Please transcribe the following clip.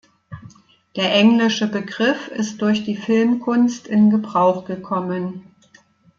Der englische Begriff ist durch die Filmkunst in Gebrauch gekommen.